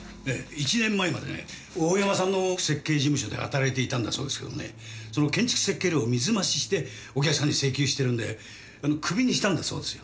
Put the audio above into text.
１年前までね大山さんの設計事務所で働いていたんだそうですけどもねその建築設計料を水増ししてお客さんに請求してるんでクビにしたんだそうですよ。